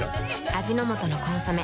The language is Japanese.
味の素の「コンソメ」